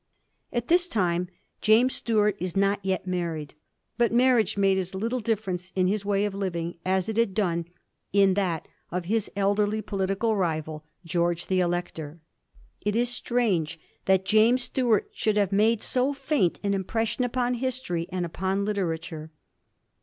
At this time James Stuart is not yet married ; but marriage made as little difference in his way of living as it had done in that of his elderly political rival, Greorge the Elector. It is strange that James Stuart should have made so faint an impression upon history and upon literature.